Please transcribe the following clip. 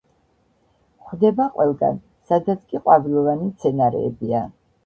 გვხვდება ყველგან, სადაც კი ყვავილოვანი მცენარეებია.